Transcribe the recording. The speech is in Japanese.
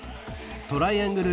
トライアングル